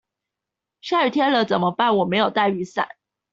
下雨天了怎麼辦我沒帶雨傘